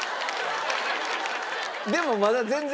でもまだ全然。